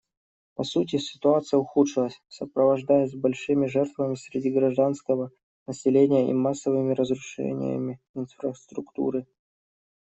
По сути, ситуация ухудшилась, сопровождаясь большими жертвами среди гражданского населения и массовыми разрушениями инфраструктуры.